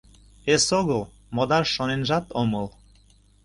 — Эсогыл модаш шоненжат омыл.